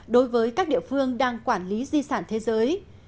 đối với các địa phương đang quản lý di sản thế giới